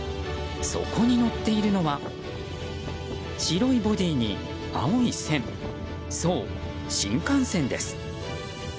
そこに載っているのは白いボディーに青い線そう、新幹線です。